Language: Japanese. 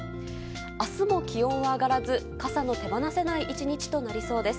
明日も気温は上がらず傘の手放せない１日となりそうです。